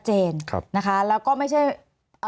มีความรู้สึกว่ามีความรู้สึกว่า